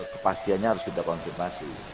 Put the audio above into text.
kepastiannya harus kita konfirmasi